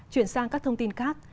chuyển sang các thông tin khác